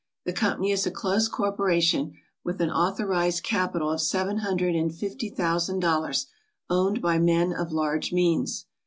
The company is a close corporation, with an authorized capital of seven hundred and fifty thousand dollars owned by men of large means.